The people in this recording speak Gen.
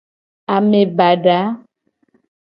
Ame bada a.